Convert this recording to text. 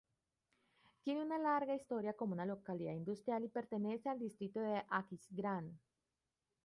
Tiene una larga historia como una localidad industrial y pertenece al distrito de Aquisgrán.